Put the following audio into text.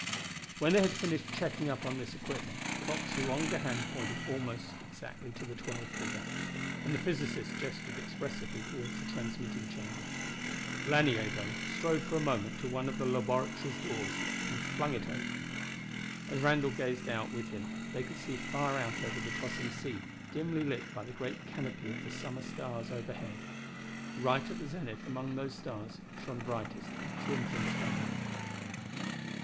When they had finished checking up on this equipment the clock's longer hand pointed almost to the figure twelve, and the physicist gestured expressively toward the transmitting chamber. Lanier, though, strode for a moment to one of the laboratory's doors and flung it open. As Randall gazed out with him they could see far out over the tossing sea, dimly lit by the great canopy of the summer stars overhead. Right at the zenith among those stars shone brightest a crimson spark.